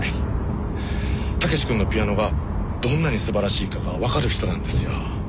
武志君のピアノがどんなにすばらしいかが分かる人なんですよ。